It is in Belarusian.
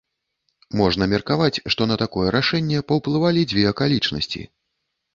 Можна меркаваць, што на такое рашэнне паўплывалі дзве акалічнасці.